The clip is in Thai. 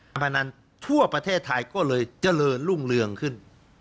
พนันทั่วประเทศไทยก็เลยเจริญรุ่งเรืองขึ้น